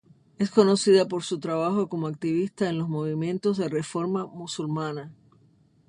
Es conocida por su trabajo como activista en los movimientos de reforma musulmana.